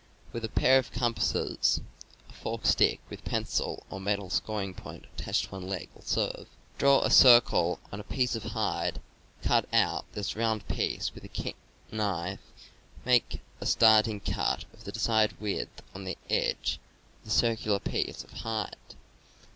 With a pair of compasses (a forked stick with pencil or metal scoring point attached to one leg will serve) draw a circle on a piece of hide; cut out this round piece with a keen knife; make a starting cut of the desired width on the edge of the circular piece of hide.